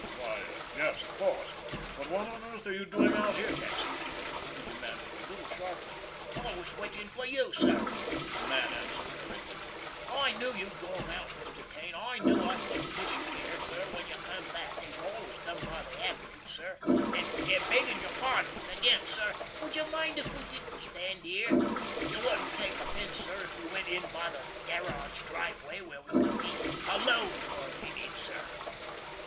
"Why yes, of course. But what on earth are you doing out here, Jackson?" he demanded a little sharply. "I was waiting for you, sir," the man answered hurriedly. "I knew you'd gone out, Mr. Kane; and I knew I couldn't miss you here, sir, when you came back, as you always come by the Avenue, sir. And, begging your pardon again, sir, would you mind if we didn't stand here? You wouldn't take offense, sir, if we went in by the garage driveway where we could be alone for a minute, sir?"